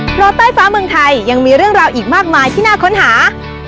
เพราะใต้ฟ้าเมืองไทยยังมีเรื่องราวอีกมากมายที่น่าค้นหา